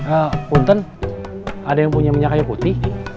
eh punten ada yang punya minyak kayu putih